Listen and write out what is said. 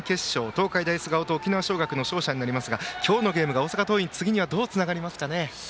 東海大菅生と沖縄尚学の勝者になりますが今日のゲームが大阪桐蔭次にどうつながりますかね。